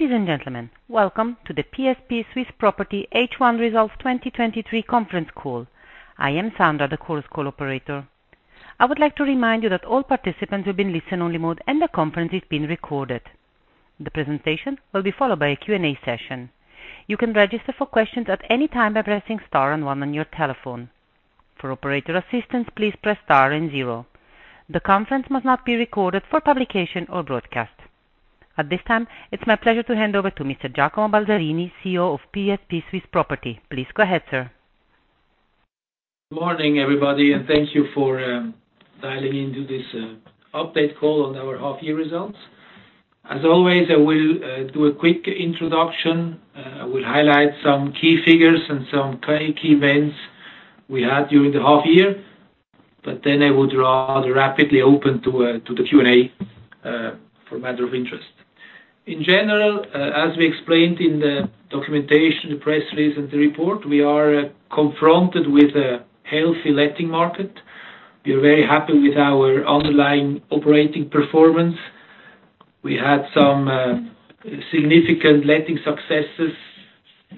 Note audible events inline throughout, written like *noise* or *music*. Ladies and gentlemen, welcome to the PSP Swiss Property H1 Results 2023 Conference Call. I am Sandra, the Chorus Call operator. I would like to remind you that all participants will be in listen-only mode, and the conference is being recorded. The presentation will be followed by a Q&A session. You can register for questions at any time by pressing star and one on your telephone. For operator assistance, please press star and zero. The conference must not be recorded for publication or broadcast. At this time, it's my pleasure to hand over to Mr. Giacomo Balzarini, CEO of PSP Swiss Property. Please go ahead, sir. Morning, everybody. Thank you for dialing in to this update call on our half year results. As always, I will do a quick introduction. I will highlight some key figures and some key, key events we had during the half year. Then I would rather rapidly open to the Q&A for matter of interest. In general, as we explained in the documentation, the press release, and the report, we are confronted with a healthy letting market. We are very happy with our underlying operating performance. We had some significant letting successes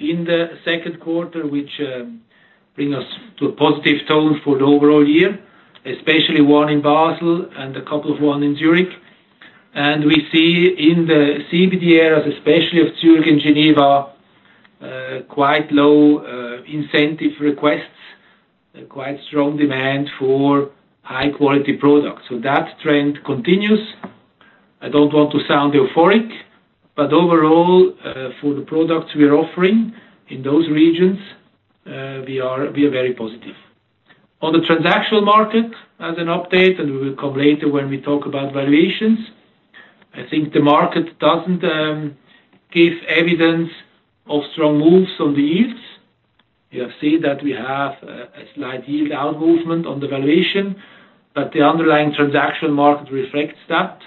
in the second quarter, which bring us to a positive tone for the overall year, especially one in Basel and a couple of one in Zurich. We see in the CBD areas, especially of Zurich and Geneva, quite low incentive requests, quite strong demand for high quality products. That trend continues. I don't want to sound euphoric, but overall, for the products we are offering in those regions, we are very positive. On the transactional market, as an update, and we will come later when we talk about valuations, I think the market doesn't give evidence of strong moves on the yields. You have seen that we have a slight yield down movement on the valuation, but the underlying transaction market reflects that.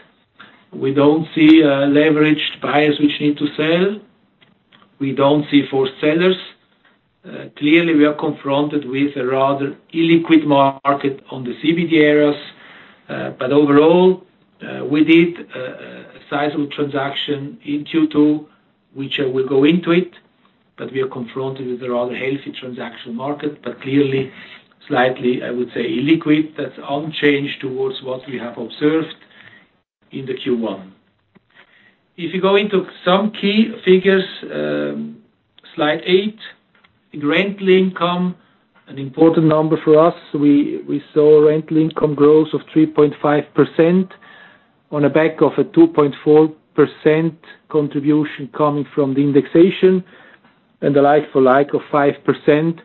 We don't see leveraged buyers which need to sell. We don't see for sellers. Clearly, we are confronted with a rather illiquid market on the CBD areas, but overall, we did a sizable transaction in Q2, which I will go into it, but we are confronted with a rather healthy transaction market, but clearly, slightly, I would say, illiquid. That's unchanged towards what we have observed in the Q1. If you go into some key figures, slide eight, the rental income, an important number for us. We, we saw rental income growth of 3.5% on a back of a 2.4% contribution coming from the indexation and the like-for-like of 5%,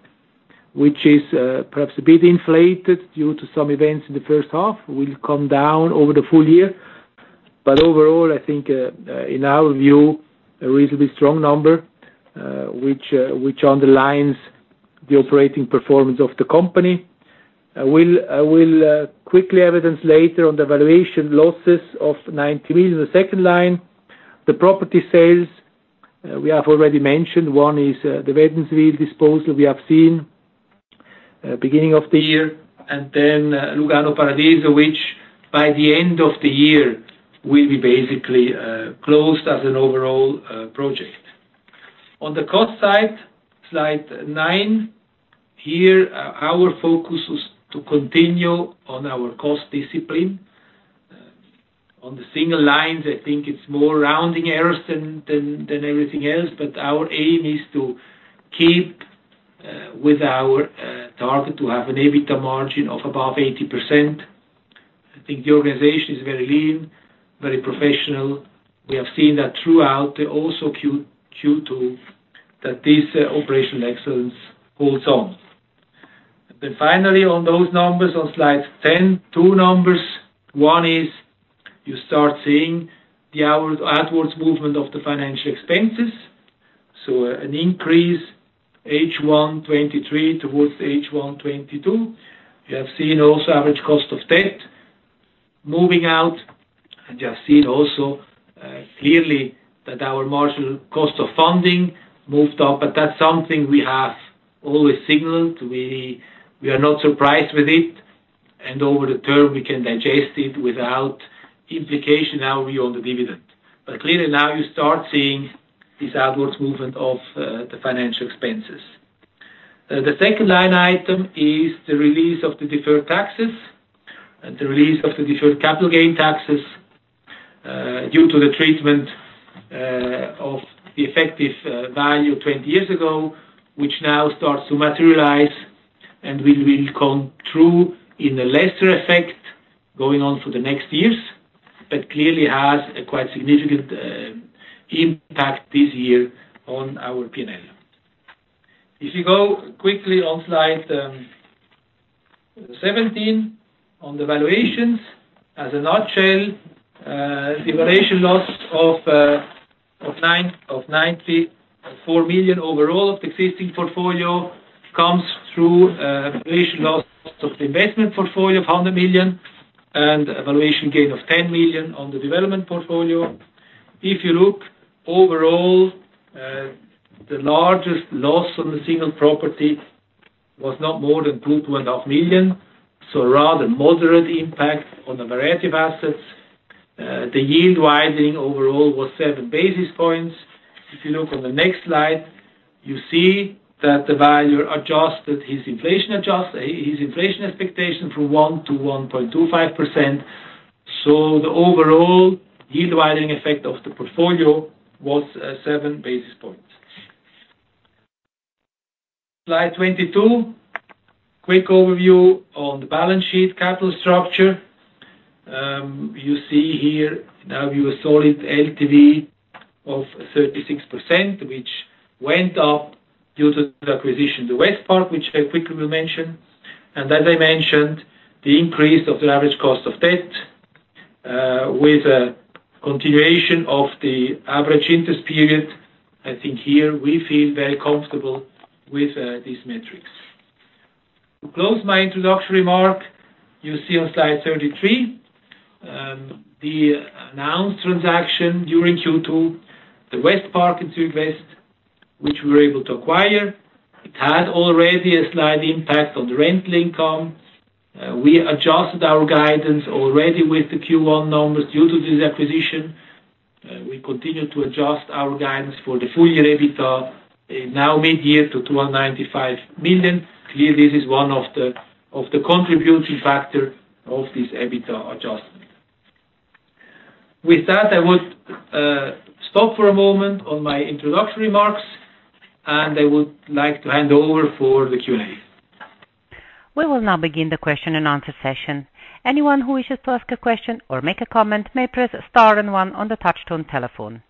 which is perhaps a bit inflated due to some events in the first half, will come down over the full year. Overall, I think, in our view, a reasonably strong number, which underlines the operating performance of the company. I will quickly evidence later on the valuation losses of 90 million. The second line, the property sales, we have already mentioned, one is the Wädenswil disposal we have seen beginning of the year, and then Lugano/Paradiso, which by the end of the year, will be basically closed as an overall project. On the cost side, slide nine, here, our focus was to continue on our cost discipline. On the single lines, I think it's more rounding errors than, than, than everything else, but our aim is to keep with our target to have an EBITDA margin of above 80%. I think the organization is very lean, very professional. We have seen that throughout the also Q2, that this operational excellence holds on. Finally, on those numbers on slide 10, two numbers. One is you start seeing the outwards movement of the financial expenses, so an increase H1 2023 towards H1 2022. You have seen also average cost of debt moving out, and you have seen also clearly that our marginal cost of funding moved up, but that's something we have always signaled. We, we are not surprised with it, and over the term, we can digest it without implication our view on the dividend. Clearly, now you start seeing this outwards movement of the financial expenses. The second line item is the release of the deferred taxes, and the release of the deferred capital gain taxes, due to the treatment of the effective value 20 years ago, which now starts to materialize and will, will come through in a lesser effect going on for the next years, but clearly has a quite significant impact this year on our P&L. If you go quickly on slide 17, on the valuations, as a nutshell, the valuation loss of 94 million overall, the existing portfolio comes through, valuation loss of the investment portfolio of 100 million and a valuation gain of 10 million on the development portfolio. If you look overall, was not more than 2.5 million, so rather moderate impact on the variety of assets. The yield widening overall was seven basis points. If you look on the next slide, you see that the valuer adjusted his inflation adjust, his inflation expectation from 1% to 1.25%. The overall yield widening effect of the portfolio was seven basis points. Slide 22, quick overview on the balance sheet capital structure. You see here, now we have a solid LTV of 36%, which went up due to the acquisition, the Westpark, which I quickly will mention. As I mentioned, the increase of the average cost of debt, with a continuation of the average interest period. I think here we feel very comfortable with these metrics. To close my introductory mark, you see on slide 33, the announced transaction during Q2, the Westpark in Zurich West, which we were able to acquire. It had already a slight impact on the rental income. We adjusted our guidance already with the Q1 numbers due to this acquisition. We continue to adjust our guidance for the full year, EBITDA, it now mid-year to 295 million. Clearly, this is one of the, of the contributing factor of this EBITDA adjustment. With that, I would stop for a moment on my introductory remarks, and I would like to hand over for the Q&A. We will now begin the question and answer session. Anyone who wishes to ask a question or make a comment, may press star and one on the touchtone telephone.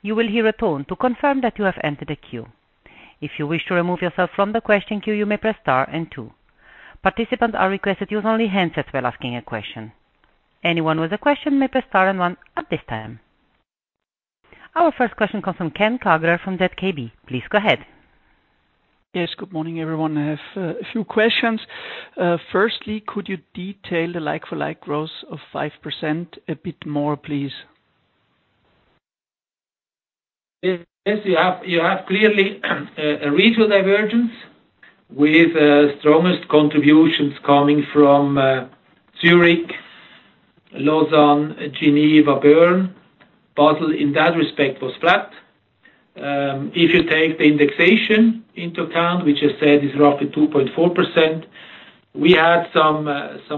You will hear a tone to confirm that you have entered the queue. If you wish to remove yourself from the question queue, you may press star and two. Participants are requested to use only handsets while asking a question. Anyone with a question may press star and one at this time. Our first question comes from Ken Kagerer from ZKB. Please go ahead. Yes, good morning, everyone. I have a few questions. Firstly, could you detail the like-for-like growth of 5% a bit more, please? Yes. Yes, you have, you have clearly a regional divergence, with strongest contributions coming from Zurich, Lausanne, Geneva, Bern. Basel, in that respect, was flat. If you take the indexation into account, which I said is roughly 2.4%, we had some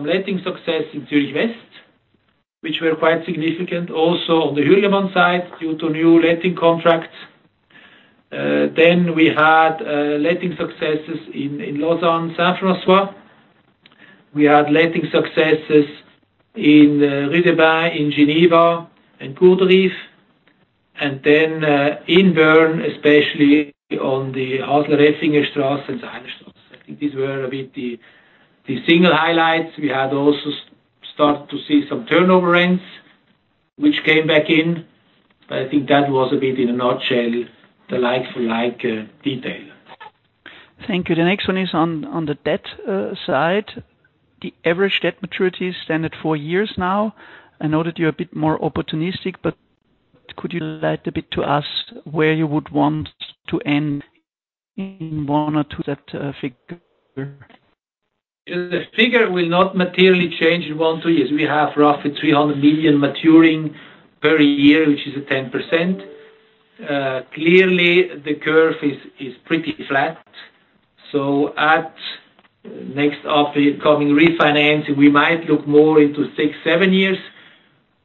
letting success in Zurich West, which were quite significant also on the Hürlimann site, due to new letting contracts. We had letting successes in Lausanne, Saint-François. We had letting successes in Rue de la in Geneva and Corraterie. Then, in Bern, especially on the Adlerstrasse and the Heimstrasse. I think these were a bit the single highlights. We had also start to see some turnover rents, which came back in, but I think that was a bit, in a nutshell, the like-for-like detail. Thank you. The next one is on, on the debt side. The average debt maturity is standard four years now. I know that you're a bit more opportunistic, but could you elaborate a bit to us where you would want to end in one or two, that figure? The figure will not materially change in one, two years. We have roughly 300 million maturing per year, which is a 10%. Clearly, the curve is pretty flat, so at next upcoming refinance, we might look more into six, seven years,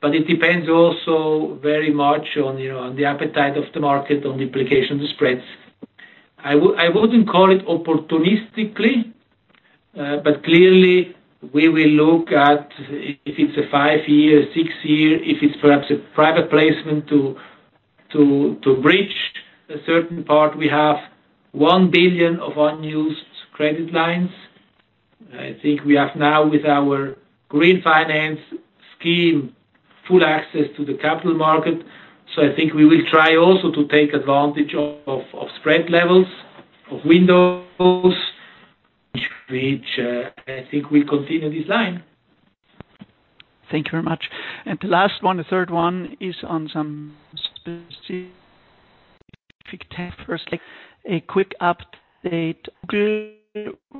but it depends also very much on, you know, on the appetite of the market, on the implication of the spreads. I wouldn't call it opportunistically, but clearly we will look at if it's a five year, six year, if it's perhaps a private placement to bridge a certain part. We have 1 billion of unused credit lines. I think we have now, with our Green Finance Framework, full access to the capital market. I think we will try also to take advantage of spread levels, of windows, which, I think we continue this line. Thank you very much. The last one, the third one, is on some specific task. Firstly, a quick update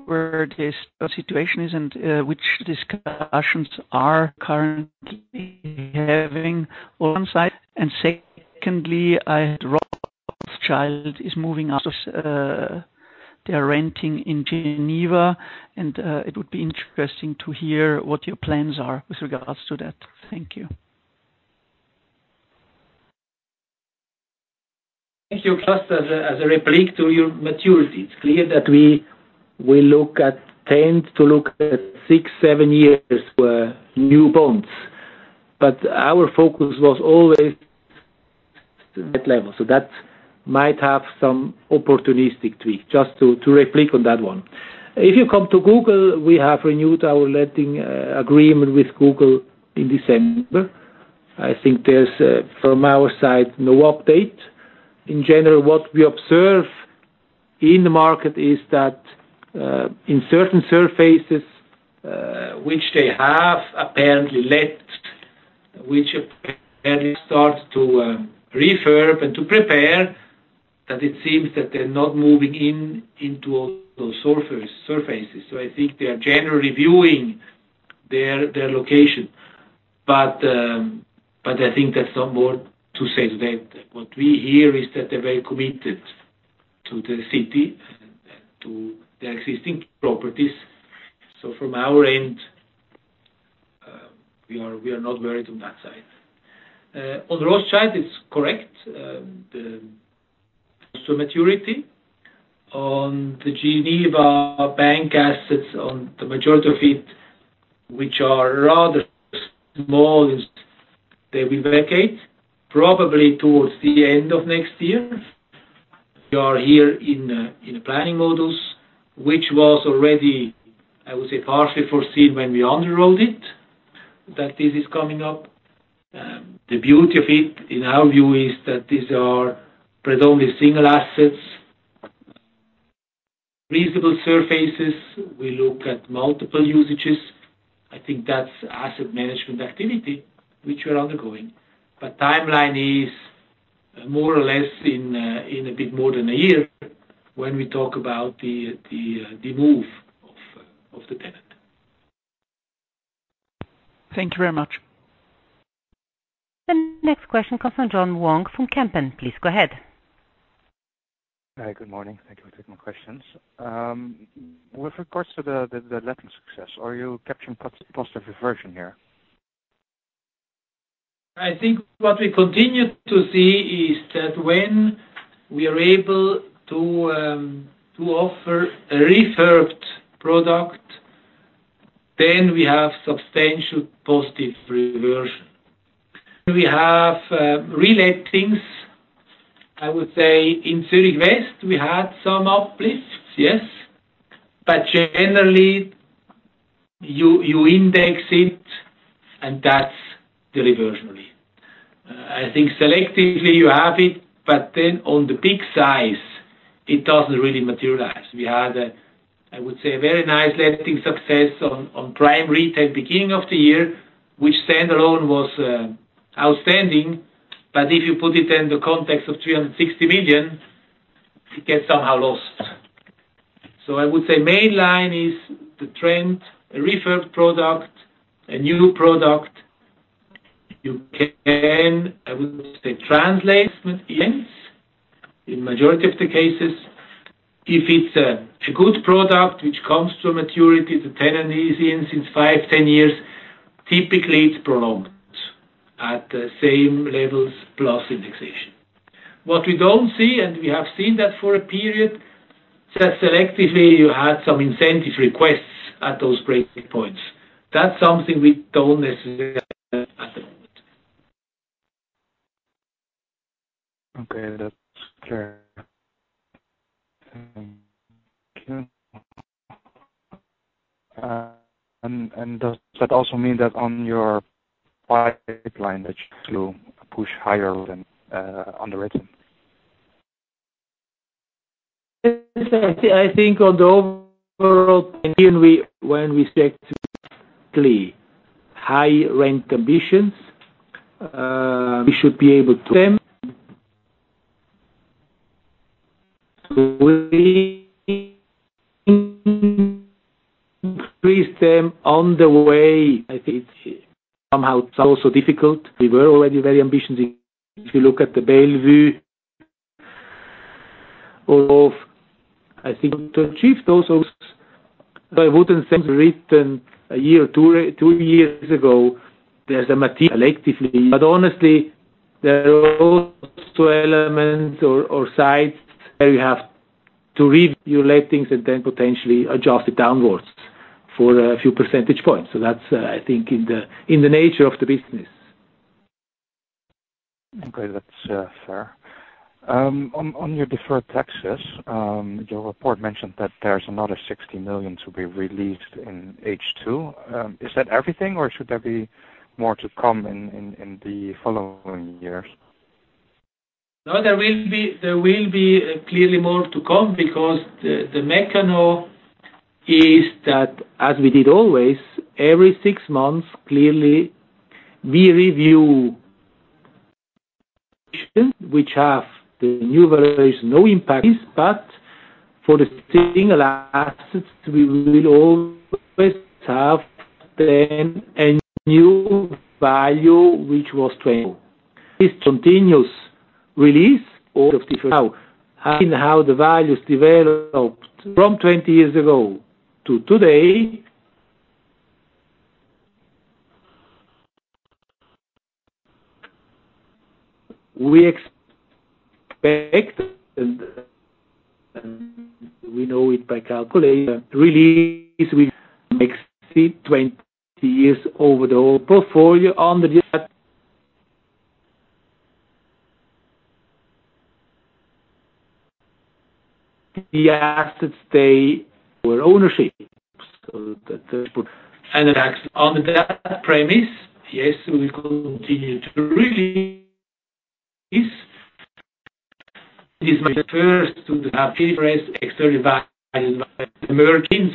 where the situation is and which discussions are currently having on site. Secondly, I had Rothschild is moving out of, they're renting in Geneva, and it would be interesting to hear what your plans are with regards to that. Thank you. Thank you. Just as a replay to your maturity, it's clear that we tend to look at six, seven years for new bonds. Our focus was always that level. That might have some opportunistic twist, just to replay on that one. If you come to Google, we have renewed our letting agreement with Google in December. I think there's from our side, no update. In general, what we observe in the market is that in certain surfaces, which they have apparently let, which apparently started refurb and to prepare, that it seems that they're not moving in into those surfaces. I think they are generally reviewing their location. I think there's no more to say that what we hear is that they're very committed to the city and, and to the existing properties. From our end, we are, we are not worried on that side. On the Rothschild, it's correct. The to maturity on the Geneva bank assets, on the majority of it, which are rather small, they will vacate probably towards the end of next year. We are here in planning models, which was already, I would say, partially foreseen when we underwrote it, that this is coming up. The beauty of it, in our view, is that these are predominantly single assets, reasonable surfaces. We look at multiple usages. I think that's asset management activity, which we are undergoing. But timeline is more or less in, in a bit more than a year, when we talk about the, the, the move of, of the tenant. Thank you very much. The next question comes from John Vuong from Kempen. Please go ahead. Hi, good morning. Thank you for taking my questions. With regards to the letting success, are you capturing positive reversion here? I think what we continue to see is that when we are able to offer a refurbed product, then we have substantial positive reversion. We have relettings. I would say in Zurich West, we had some uplifts, yes. Generally, you, you index it, and that's the reversionary. I think selectively you have it, but then on the peak size, it doesn't really materialize. We had, I would say, a very nice letting success on, on prime retail beginning of the year, which standalone was outstanding, but if you put it in the context of 360 million, it gets somehow lost. I would say main line is the trend, a refurb product, a new product. You can, I would say, translate in majority of the cases, if it's a, a good product which comes to maturity, the tenant is in since five, 10 years, typically it's prolonged at the same levels, plus indexation. What we don't see, and we have seen that for a period, that selectively you had some incentive requests at those breaking points. That's something we don't necessarily. Okay, that's clear. And does that also mean that on your pipeline, that you push higher than on the rate? I think, I think on the overall, when we expect to high rent ambitions, we should be able to them. Increase them on the way, I think it's somehow it's also difficult. We were already very ambitious. If you look at the value of, I think, to achieve those, I wouldn't say written a year or two years ago, there's a material electively. Honestly, there are also elements or, or sites where you have to review lettings and then potentially adjust it downwards for a few percentage points. That's, I think, in the nature of the business. Okay, that's fair. On, on your deferred taxes, your report mentioned that there's another 60 million to be released in H2. Is that everything, or should there be more to come in, in, in the following years? No, there will be, there will be clearly more to come, because the, the mechano is that as we did always, every 6 months, clearly, we review, which have the new values, no impacts, but for the same assets, we will always have them a new value, which was 20. This continuous release of how and how the values developed from 20 years ago to today. We expect, and we know it by calculating, release, we make 20 years over the whole portfolio on the assets, they were ownership. On that premise, yes, we will continue to release. This is my first to the press exterior value emerging.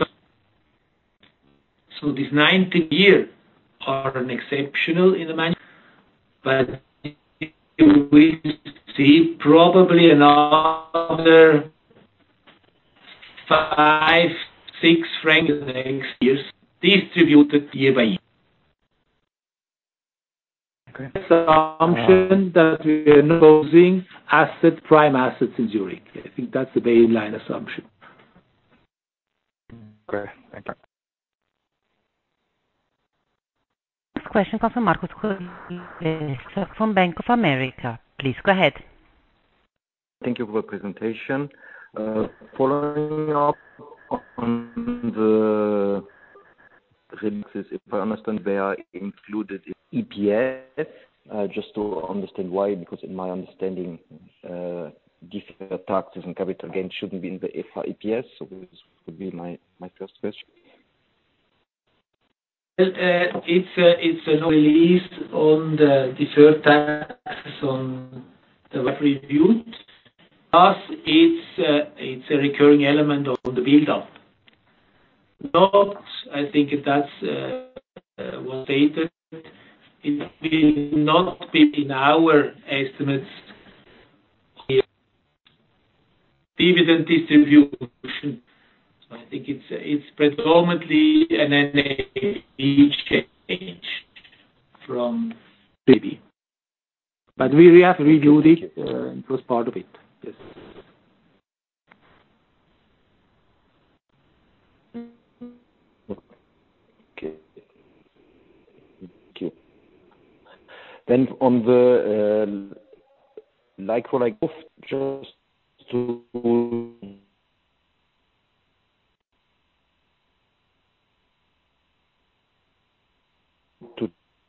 These 19 years are an exceptional in the mind, but we see probably another five, six frankly, next years distributed year by year. Okay. Assumption that we are closing asset, prime assets in Zurich. I think that's the baseline assumption. Okay, thank you. Next question comes from Marc Mozzi from Bank of America. Please go ahead. Thank you for the presentation. Following up on the releases, if I understand, they are included in EPS. Just to understand why, because in my understanding, deferred taxes and capital gains shouldn't be in the EPS. This would be my, my first question. It's a, it's a release on the deferred tax on the review. As it's a, it's a recurring element of the buildup. Not I think that's well stated. It will not be in our estimates dividend distribution. I think it's, it's predominantly an NAV change from previous. We have reviewed it. It was part of it. Yes. Okay. Thank you. On the like-for-like, just to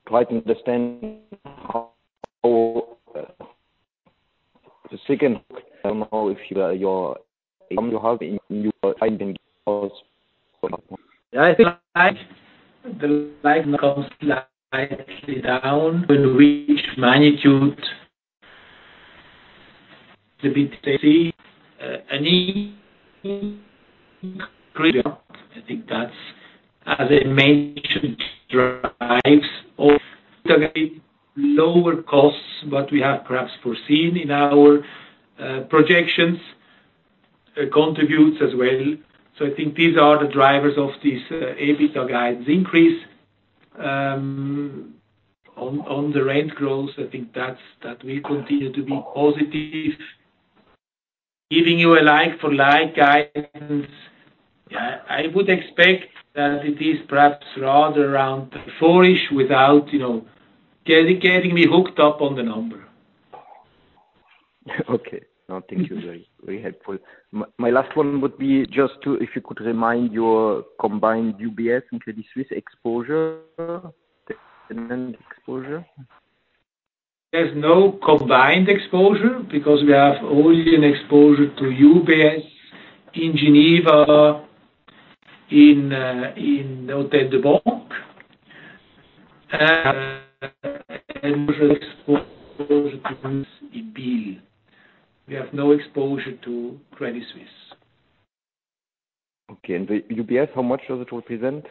try to understand how the second, I don't know if you have in your finding cause. Yeah, I think the light comes slightly down, in which magnitude I think that's, as I mentioned, drives of lower costs, but we have perhaps foreseen in our projections, contributes as well. So I think these are the drivers of this EBITDA guides increase, on, on the rent growth. I think that's, that will continue to be positive. Giving you a like-for-like guidance, I, I would expect that it is perhaps rather around 4-ish, without, you know, getting, getting me hooked up on the number. Okay. No, thank you. Very, very helpful. My, my last one would be just to, if you could remind your combined UBS and Credit Suisse exposure, and then exposure. There's no combined exposure because we have only an exposure to UBS in Geneva, in the Hôtel de Banque, and exposure. We have no exposure to Credit Suisse. Okay, the UBS, how much does it represent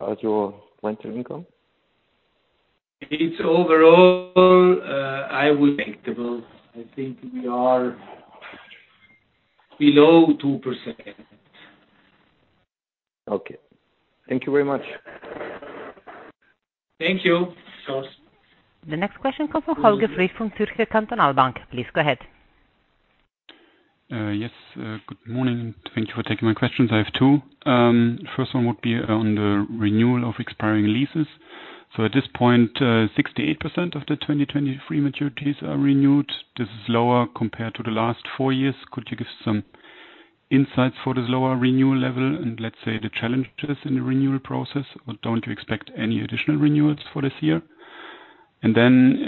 as your rental income? It's overall, I would think, I think we are below 2%. Okay. Thank you very much. Thank you. Cheers. The next question comes from Holger Frey from Zürcher Kantonalbank. Please go ahead. Yes, good morning. Thank you for taking my questions. I have two. First one would be on the renewal of expiring leases. At this point, 68% of the 2023 maturities are renewed. This is lower compared to the last four years. Could you give some insights for this lower renewal level and let's say, the challenges in the renewal process, or don't you expect any additional renewals for this year? Then,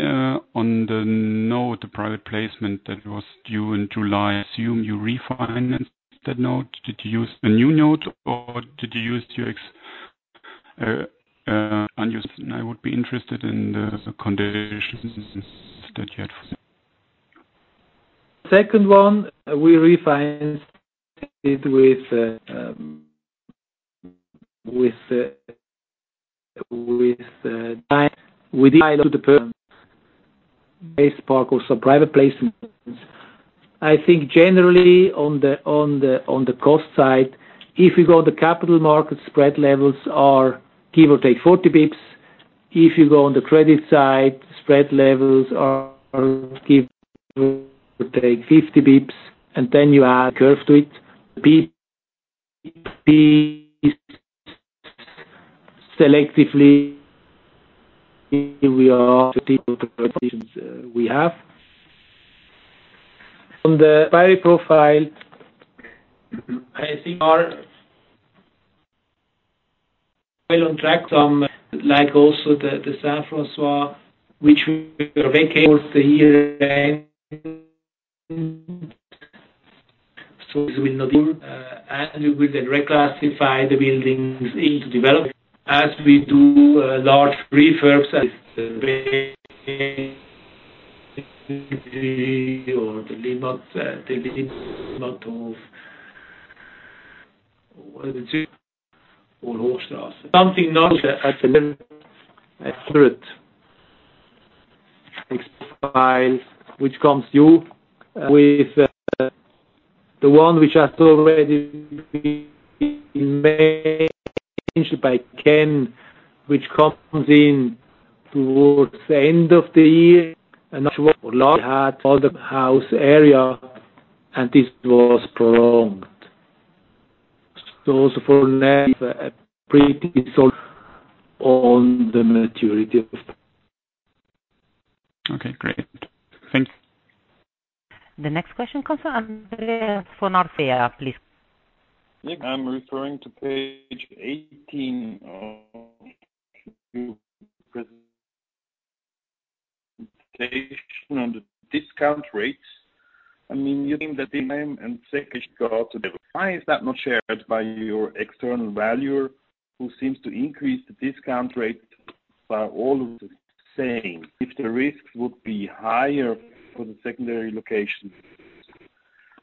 on the note, the private placement that was due in July, I assume you refinanced that note. Did you use a new note or did you use your ex- unused? I would be interested in the conditions that you had for that. Second one, we refinanced it with the with the with the Westpark or so private placement. I think generally on the on the on the cost side, if you go the capital market, spread levels are give or take 40 basis points. If you go on the credit side, spread levels are give or take 50 basis points, and then you add curve to it, basis points selectively, we are to people, we have. On the query profile, I think are well on track, some like also the Saint François, which we are vacating the year, so we will not, and we will then reclassify the buildings into development as we do large refurbs. *audio distortion* Something not at the which comes you with, the one which has already been made by Ken, which comes in towards the end of the year, and not long had all the house area, and this was prolonged. For now, pretty so on the maturity of. Okay, great. Thanks. The next question comes from Andreas von Arx, please. Yeah, I'm referring to page 18 of presentation on the discount rates. I mean, you think that the name and second go out today. Why is that not shared by your external valuer, who seems to increase the discount rate, but all of the same, if the risk would be higher for the secondary location,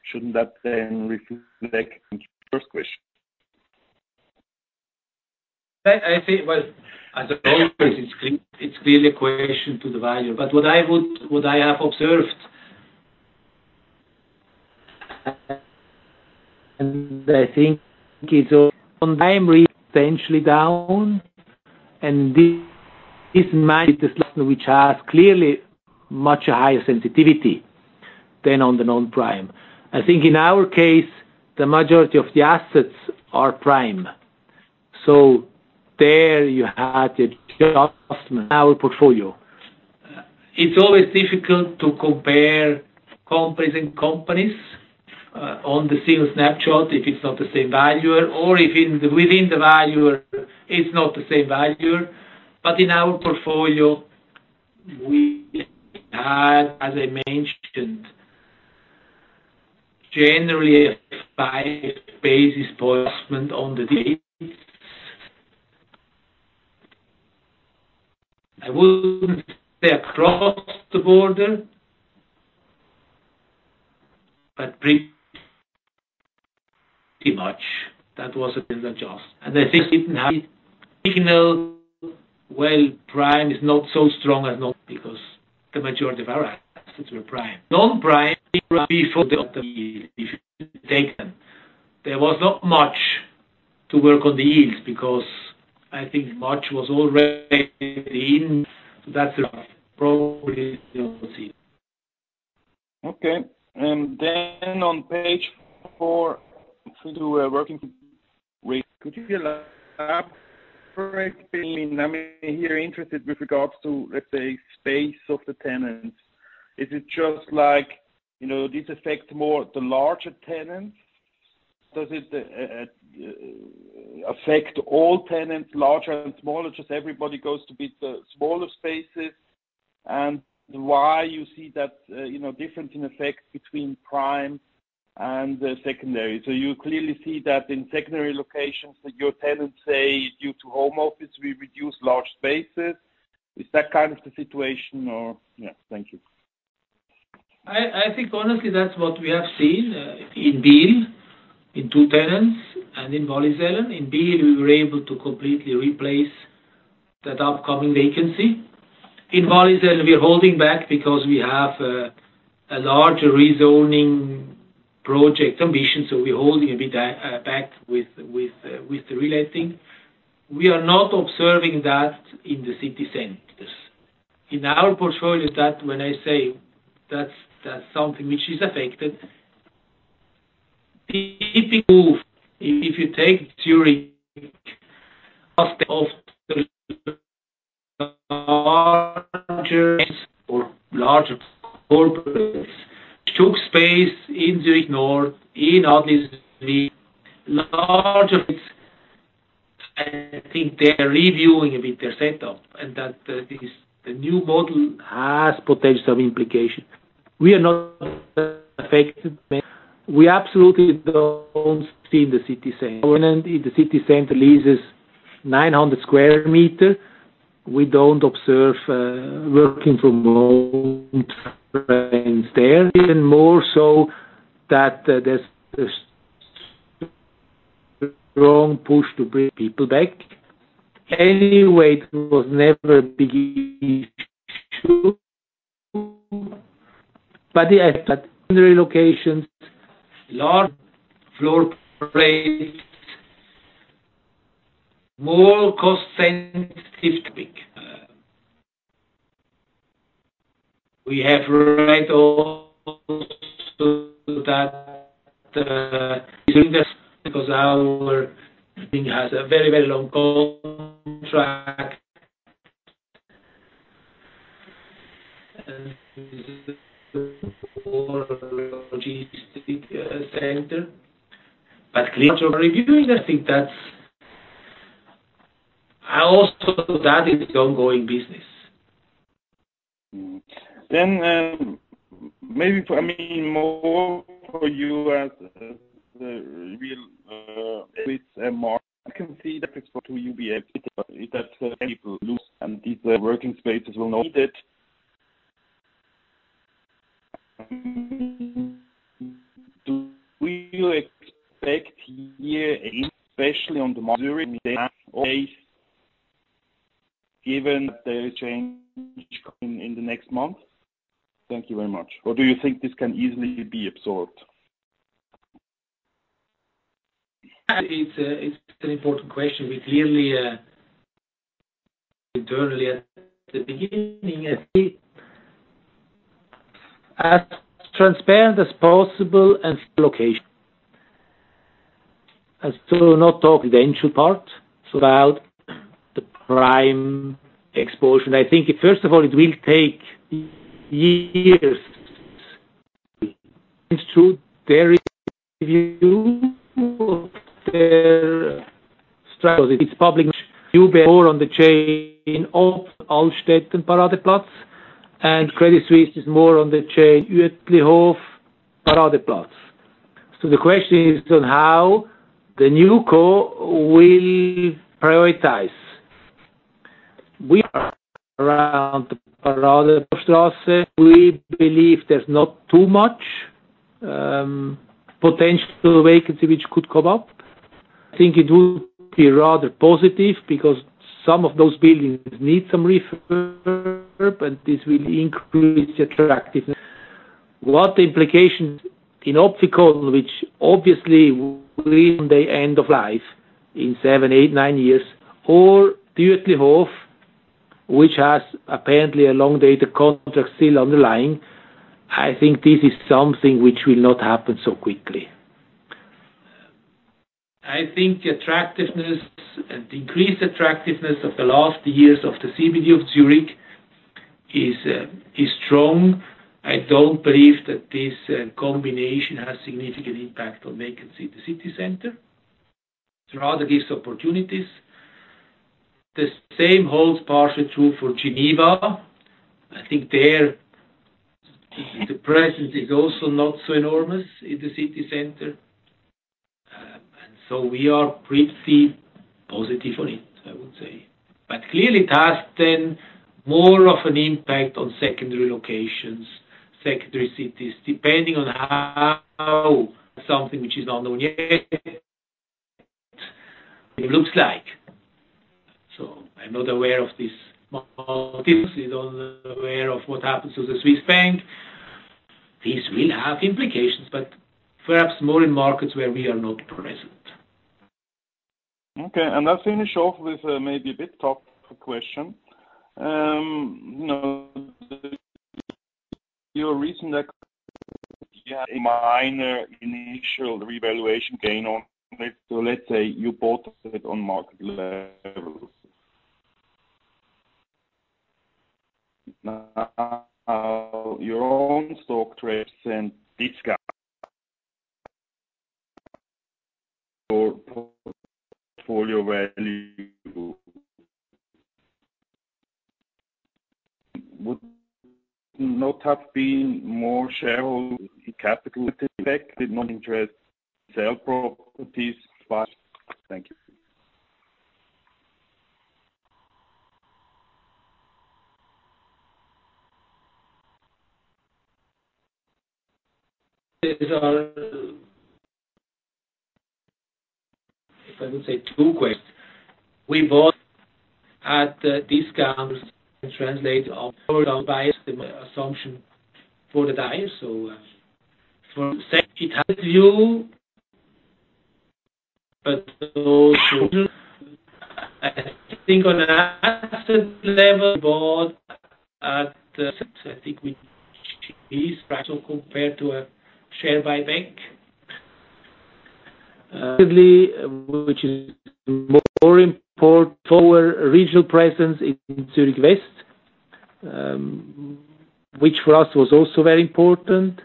shouldn't that then reflect the first question? I think, well, as always, it's clear, it's clearly a question to the value. What I would-- what I have observed, and I think it's on time, potentially down, and this is my which has clearly much higher sensitivity than on the non-prime. I think in our case, the majority of the assets are prime, so there you had a pure customer, our portfolio. It's always difficult to compare companies and companies, on the single snapshot, if it's not the same valuer or if in-- within the valuer, it's not the same valuer. In our portfolio, we had, as I mentioned, generally a five basis adjustment on the date. I wouldn't say across the border, but pretty much. That was a bit adjust, and I think it had signal, well, prime is not so strong as not because the majority of our assets were prime. Non-prime, before the decision was taken, there was not much to work on the yields, because I think much was already in. That's probably what we see. Okay, on page four, to a working rate, could you elaborate? I'm here interested with regards to, let's say, space of the tenants. Is it just like, you know, this affects more the larger tenants? Does it affect all tenants, larger and smaller, just everybody goes to be the smaller spaces, and why you see that, you know, difference in effect between prime and the secondary? You clearly see that in secondary locations, your tenants say, due to home office, we reduce large spaces. Is that kind of the situation or? Yeah. Thank you. I, I think honestly, that's what we have seen in Biel, in two tenants, and in Wallisellen. In Biel, we were able to completely replace that upcoming vacancy. In Wallisellen, we're holding back because we have a larger rezoning project ambition, so we're holding a bit back with, with, with the relating. We are not observing that in the city centers. In our portfolio, that when I say that's, that's something which is affected, if you take Zurich, of larger or larger corporates, took space in Zurich North, in all these large... I think they're reviewing a bit their setup, and that this, the new model has potential implication. We are not affected. We absolutely don't see the city center. In the city center leases 900 square meter, we don't observe, working from home there, and more so that, there's, this strong push to bring people back. Anyway, it was never big issue, but yeah, but locations, large floor plates, more cost-sensitive. We have right also that, because our thing has a very, very long contract. Clearly, reviewing, I think that's. I also that is the ongoing business. Maybe for, I mean, more for you as, the real, with a more I can see that it's for two UBS, that people lose, and these working spaces will not need it. Do we expect here, especially on the market, given the change in, in the next month? Thank you very much. Or do you think this can easily be absorbed? It's an important question. We clearly internally at the beginning, as transparent as possible and location. As to not talk the initial part, so about the prime exposure. I think, first of all, it will take years. It's true, there is you their strategy, it's public, UBS more on the chain in Altstetten Paradeplatz, and Credit Suisse is more on the chain, Uetlihof Paradeplatz. The question is on how the new co will prioritize. We are around Paradeplatz. We believe there's not too much potential vacancy which could come up. I think it will be rather positive because some of those buildings need some refurb, and this will increase attractiveness. What the implications in optical, which obviously will the end of life in seven, eight, nine years, or Uetlihof, which has apparently a long data contract still on the line, I think this is something which will not happen so quickly. I think attractiveness, decreased attractiveness of the last years of the CBD of Zurich is strong. I don't believe that this combination has significant impact on vacancy in the city center. Rather, gives opportunities. The same holds partially true for Geneva. I think there, the presence is also not so enormous in the city center. So we are pretty positive on it, I would say. Clearly, it has then more of an impact on secondary locations, secondary cities, depending on how something which is not known yet, it looks like. I'm not aware of this, obviously not aware of what happens to the Swiss bank. These will have implications, but perhaps more in markets where we are not present. Okay, let's finish off with maybe a bit tough question. You know, your recent, a minor initial revaluation gain on, let's say, you bought it on market levels. Now, your own stock trades and discuss for portfolio value. Would not have been more shareholder capital, in fact, did not interest sale properties? Thank you. These are. If I would say two questions. We both had discounts translate on buys the assumption for the dive. For sake, it has you, but I think on an asset level, both at, I think we compared to a share buyback. Which is more important for regional presence in Zurich West, which for us was also very important.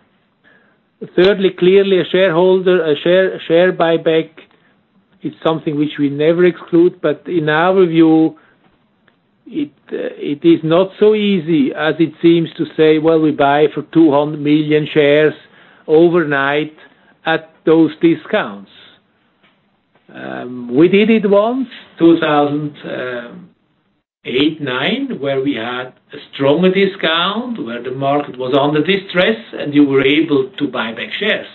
Thirdly, clearly a shareholder, a share, share buyback is something which we never exclude, but in our view, it is not so easy as it seems to say, well, we buy for 200 million shares overnight at those discounts. We did it once, 2008, 2009, where we had a stronger discount, where the market was under distress, and you were able to buy back shares.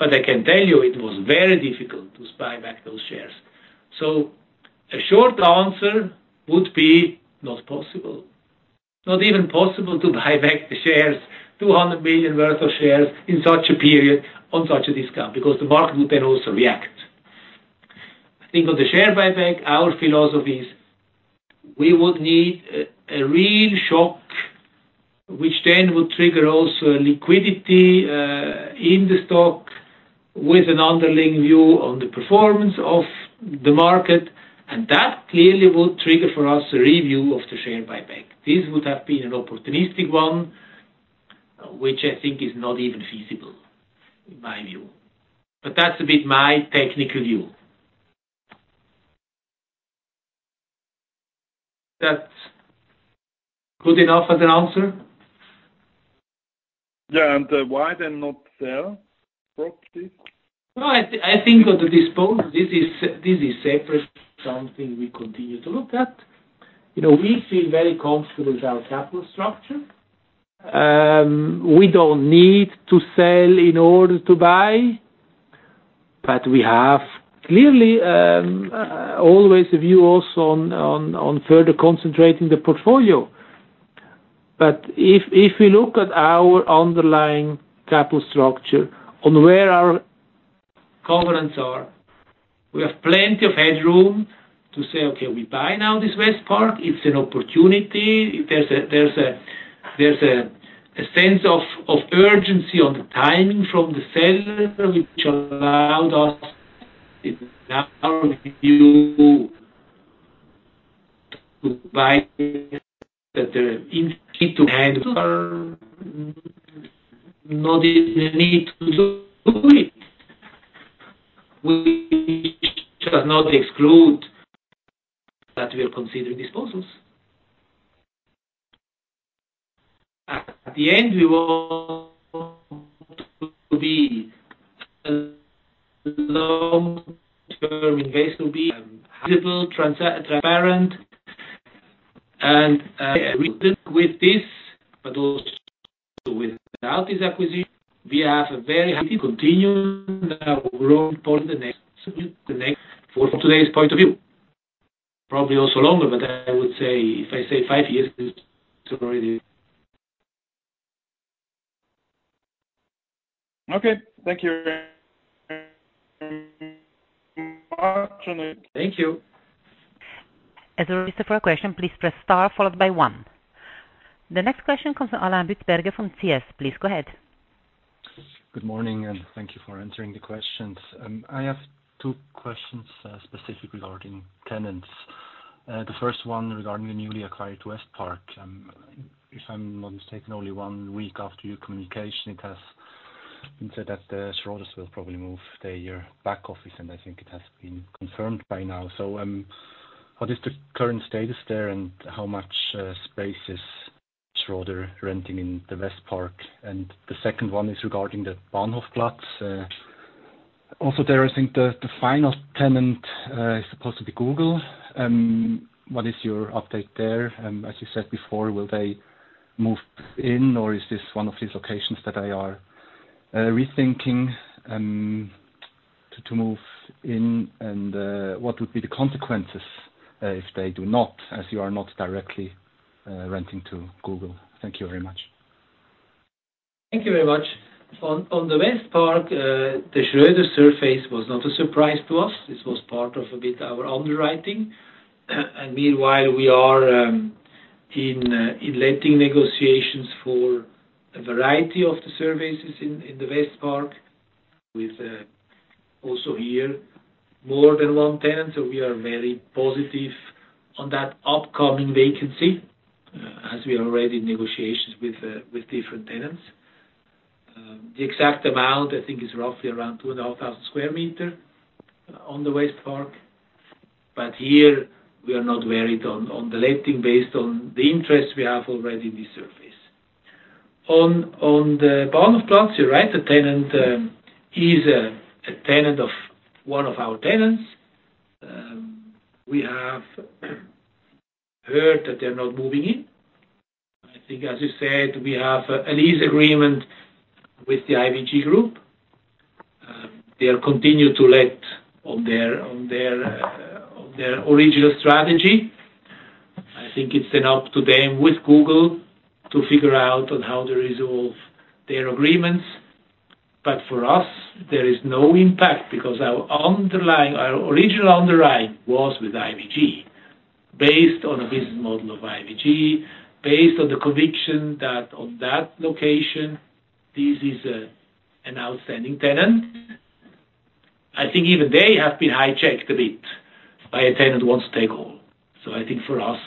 I can tell you it was very difficult to buy back those shares. A short answer would be not possible. Not even possible to buy back the shares, 200 million worth of shares in such a period on such a discount, because the market would then also react. I think on the share buyback, our philosophy is we would need a real shock, which then would trigger also a liquidity in the stock with an underlying view on the performance of the market, and that clearly would trigger for us a review of the share buyback. This would have been an opportunistic one, which I think is not even feasible, in my view. That's a bit my technical view. That's good enough as an answer? Yeah, why then not sell property? No, I think of the dispose, this is, this is separate, something we continue to look at. You know, we feel very comfortable with our capital structure. We don't need to sell in order to buy, but we have clearly always a view also on further concentrating the portfolio. If we look at our underlying capital structure on where our covenants are, we have plenty of headroom to say, "Okay, we buy now this Westpark, it's an opportunity." There's a sense of urgency on the timing from the seller, which allowed us to buy, that there is need to end or no need to do it. We does not exclude that we are considering disposals. At the end, we want to be long-term engagement, be visible, transparent, and with this, but also without this acquisition, we have a very happy continue our growth for the next, the next, for from today's point of view. Probably also longer, but I would say, if I say five years, it's already. Okay. Thank you. Thank you. As always, for a question, please press star followed by one. The next question comes from Alain Bitzberger from CS. Please go ahead. Good morning, thank you for answering the questions. I have 2two questions specific regarding tenants. The first one regarding the newly acquired Westpark. If I'm not mistaken, only one week after your communication, it has been said that Schroders will probably move their back office, and I think it has been confirmed by now. What is the current status there, and how much space is Schroders renting in the Westpark? The second one is regarding the Bahnhofplatz. Also there, I think the final tenant is supposed to be Google. What is your update there? As you said before, will they move in, or is this one of these locations that they are rethinking to move in? What would be the consequences, if they do not, as you are not directly, renting to Google? Thank you very much. Thank you very much. On, on the Westpark, the Schroders surface was not a surprise to us. This was part of, a bit, our underwriting. Meanwhile, we are in letting negotiations for a variety of the services in the Westpark, with also here, more than one tenant. We are very positive on that upcoming vacancy as we are already in negotiations with different tenants. The exact amount, I think, is roughly around 2,500 square meters on the Westpark, but here we are not varied on the letting based on the interest we have already in the surface. On, on the Bahnhofplatz, you're right, the tenant is a tenant of one of our tenants. We have heard that they're not moving in. I think, as you said, we have a lease agreement with the IWG Group. They are continued to let on their, on their, on their original strategy. I think it's enough to them with Google to figure out on how to resolve their agreements. For us, there is no impact because our underlying, our original underwriting was with IWG, based on the business model of IWG, based on the conviction that on that location, this is a, an outstanding tenant. I think even they have been high checked a bit by a tenant who wants to take all. I think for us,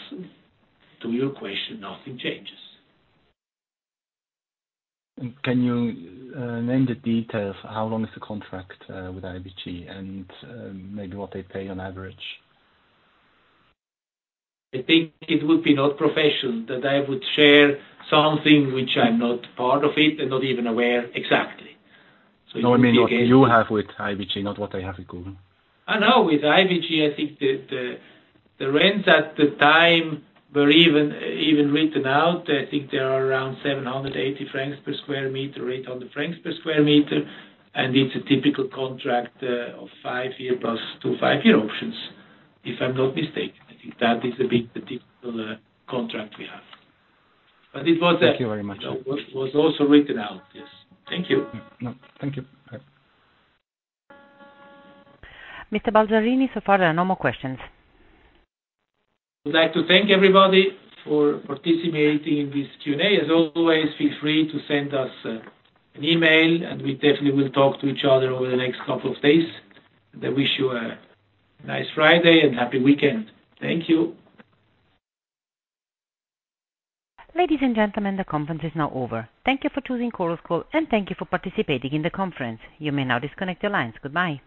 to your question, nothing changes. Can you name the details? How long is the contract with IWG, and maybe what they pay on average? I think it would be not professional, that I would share something which I'm not part of it and not even aware exactly. No, I mean, what you have with IWG, not what I have with Google. I know. With IWG, I think the, the, the rents at the time were even, even written out. I think they are around 780 francs per square meter, 800 francs per square meter, and it's a typical contract, of five-year plus two five-year options, if I'm not mistaken. I think that is the big, the typical, contract we have. It was a. Thank you very much. It was also written out, yes. Thank you. No, thank you. Bye. Mr. Balzarini, so far there are no more questions. We'd like to thank everybody for participating in this Q&A. As always, feel free to send us an email, and we definitely will talk to each other over the next couple of days. I wish you a nice Friday and happy weekend. Thank you. Ladies and gentlemen, the conference is now over. Thank you for choosing Chorus Call, and thank you for participating in the conference. You may now disconnect your lines. Goodbye.